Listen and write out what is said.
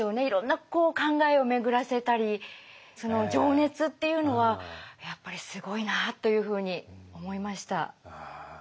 いろんな考えを巡らせたりその情熱っていうのはやっぱりすごいなあというふうに思いました。